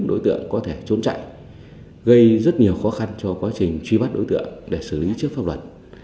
đối tượng có thể trốn chạy gây rất nhiều khó khăn cho quá trình truy bắt đối tượng để xử lý trước pháp luật